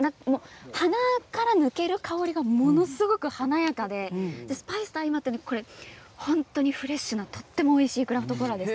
鼻から抜ける香りがものすごく華やかでスパイスと相まって本当にフレッシュなとてもおいしいクラフトコーラです。